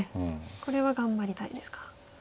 これは頑張りたいですか。